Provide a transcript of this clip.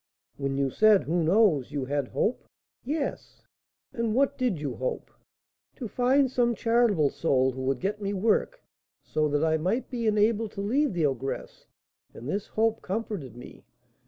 '" "When you said 'who knows,' you had hope?" "Yes." "And what did you hope?" "To find some charitable soul who would get me work, so that I might be enabled to leave the ogress; and this hope comforted me.